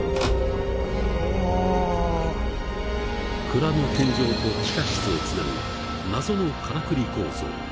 蔵の天井と地下室をつなぐ謎のからくり構造。